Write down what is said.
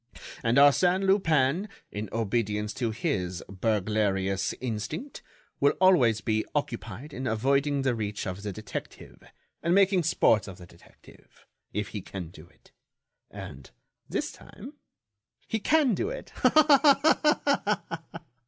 And Arsène Lupin, in obedience to his burglarious instinct, will always be occupied in avoiding the reach of the detective, and making sport of the detective, if he can do it. And, this time, he can do it. Ha ha ha!"